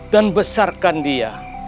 dan besarkan dia